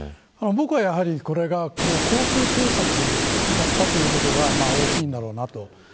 僕はやはりこれが航空偵察だったということが大きいんだろうなと。